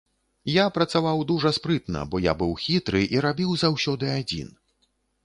Я працаваў дужа спрытна, бо я быў хітры і рабіў заўсёды адзін.